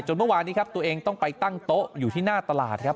เมื่อวานนี้ครับตัวเองต้องไปตั้งโต๊ะอยู่ที่หน้าตลาดครับ